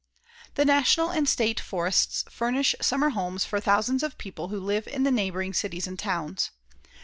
The National and State Forests furnish summer homes for thousands of people who live in the neighboring cities and towns.